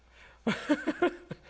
ハハハハ。